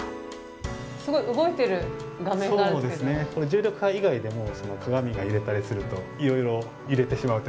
重力波以外でも鏡が揺れたりするといろいろ揺れてしまうというのが見えると。